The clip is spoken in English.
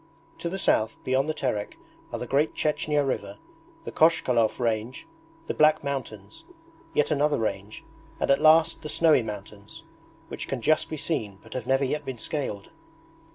To the south, beyond the Terek, are the Great Chechnya river, the Kochkalov range, the Black Mountains, yet another range, and at last the snowy mountains, which can just be seen but have never yet been scaled.